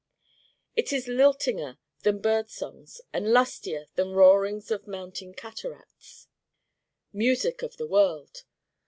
It is liltinger than bird songs and lustier than roarings of mountain cataracts. Music of the world!